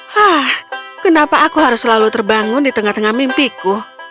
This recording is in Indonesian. hah kenapa aku harus selalu terbangun di tengah tengah mimpiku